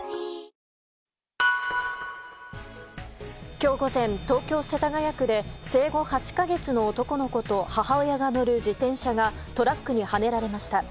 今日午前、東京・世田谷区で生後８か月の男の子と母親が乗る自転車がトラックにはねられました。